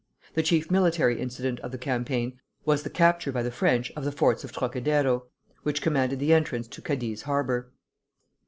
The chief military incident of the campaign was the capture by the French of the forts of Trocadéro, which commanded the entrance to Cadiz harbor.